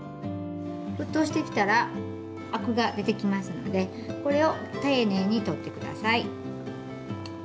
沸騰してきたらアクが出てきますのでこれを丁寧に取ってください。